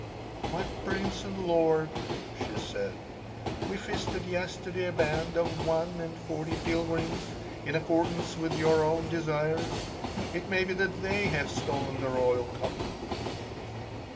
"My Prince and Lord," she said, "we feasted yesterday a band of one and forty pilgrims, in accordance with your own desires. It may be that they have stolen the royal cup."